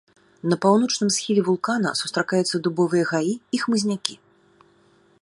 На паўночным схіле вулкана сустракаюцца дубовыя гаі і хмызнякі.